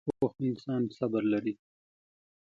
پوخ انسان صبر لري